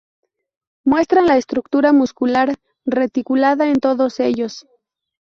Muestran la estructura muscular reticulada en todos ellos.